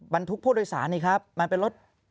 บรรทุกผู้โดยสารนี่ครับมันเป็นรถ